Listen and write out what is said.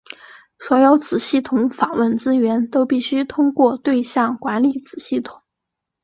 所有子系统访问资源都必须通过对象管理子系统。